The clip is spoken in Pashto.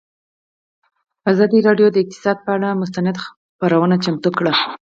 ازادي راډیو د اقتصاد پر اړه مستند خپرونه چمتو کړې.